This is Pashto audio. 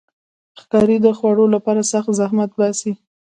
ښکاري د خوړو لپاره سخت زحمت باسي.